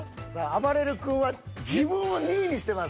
あばれる君は自分を２位にしてます。